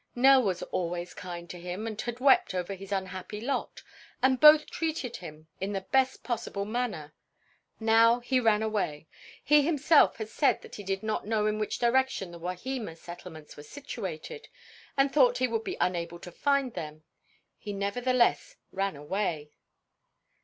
Nell was always kind to him and had wept over his unhappy lot, and both treated him in the best possible manner. Now he ran away! He himself had said that he did not know in which direction the Wahima settlements were situated, and though he would be unable to find them, he nevertheless ran away.